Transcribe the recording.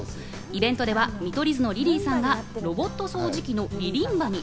イベントでは見取り図のリリーさんがロボット掃除機のリリンバに。